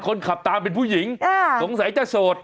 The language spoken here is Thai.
คนขับตามเป็นผู้หญิงสงสัยจะโสด